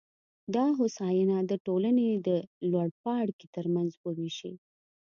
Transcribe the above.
دا هوساینه د ټولنې د لوړپاړکي ترمنځ ووېشي.